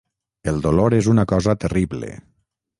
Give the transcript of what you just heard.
El dolor és una cosa terrible.